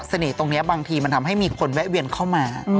ตรงนี้บางทีมันทำให้มีคนแวะเวียนเข้ามา